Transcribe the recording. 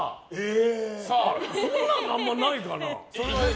そんなんあんまないかな？